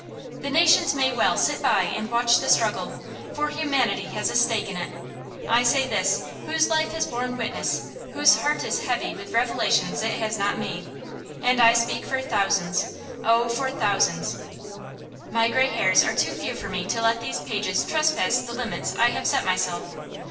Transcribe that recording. The nations may well sit by and watch the struggle, for humanity has a stake in it. I say this, whose life has borne witness, whose heart is heavy with revelations it has not made. And I speak for thousands; oh, for thousands! My gray hairs are too few for me to let these pages trespass the limit I have set myself.